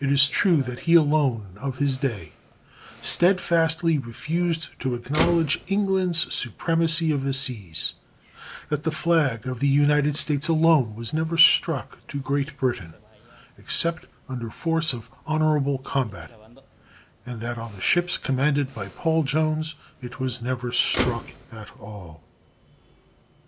It is true that he alone of his day steadfastly refused to acknowledge England's supremacy of the seas; that the flag of the United States alone was never struck to Great Britain except under force of honorable combat; and that on the ships commanded by Paul Jones it was never struck at all!